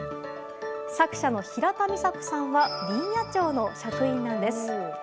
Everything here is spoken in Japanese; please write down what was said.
作者の平田美紗子さんは林野庁の職員なんです。